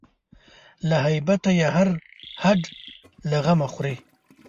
له هیبته یې هر هډ له غمه خوري